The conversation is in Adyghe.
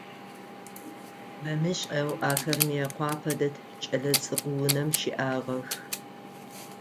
Бэмышӏэу ахэр Мыекъуапэ дэт кӏэлэцӏыкӏу унэм щыӏагъэх.